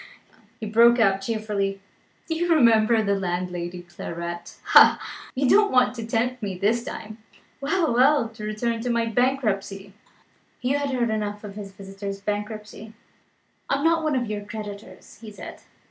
he broke out cheerfully. "Do you remember the landlady's claret? Ha! you don't want to tempt me this time. Well! well! to return to my bankruptcy." Hugh had heard enough of his visitor's bankruptcy. "I am not one of your creditors," he said.